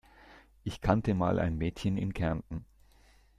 Ich kannte mal ein Mädchen in Kärnten.